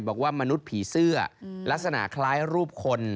มนุษย์ผีเสื้อลักษณะคล้ายรูปคน